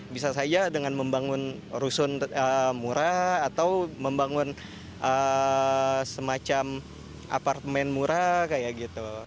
bisa saja dengan membangun rusun murah atau membangun semacam apartemen murah kayak gitu